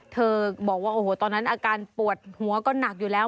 เธอบอกว่าโอ้โหตอนนั้นอาการปวดหัวก็หนักอยู่แล้ว